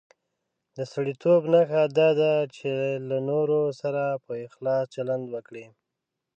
د سړیتوب نښه دا ده چې له نورو سره په اخلاص چلند وکړي.